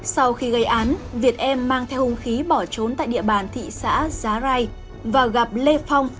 sau khi gây án việt em mang theo hung khí bỏ trốn tại địa bàn thị xã giá rai và gặp lê phong